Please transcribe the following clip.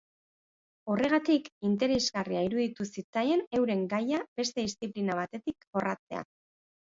Horregatik, interesgarria iruditu zitzaien euren gaia beste diziplina batetik jorratzea.